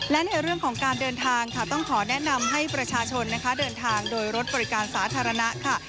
และในเรื่องของการเดินทางค่ะต้องขอแนะนำให้ประชาชนนะคะเดินทางโดยรถบริการสาธารณะค่ะ